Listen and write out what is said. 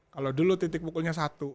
kalau dulu titik pukulnya satu